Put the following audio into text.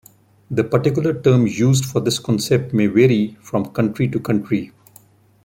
The particular term used for this concept may vary from country to country.